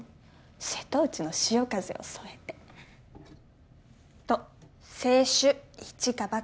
瀬戸内の潮風を添えてと清酒「一か八か」です